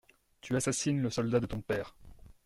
Tu assassines le soldat de ton père!